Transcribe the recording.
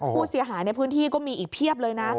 ผู้เสียหายในพื้นที่ก็มีอีกเพียบเลยนะ